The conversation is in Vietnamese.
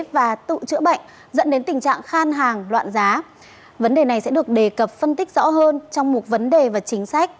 vấn đề này sẽ được đề cập phân tích rõ hơn trong một vấn đề và chính sách